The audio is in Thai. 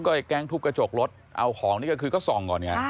ไอ้แก๊งทุบกระจกรถเอาของนี่ก็คือก็ส่องก่อนไง